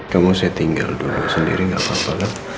kamu saya tinggal dulu sendiri nggak apa apa kan